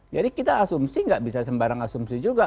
jadi kita asumsi nggak bisa sembarang asumsi juga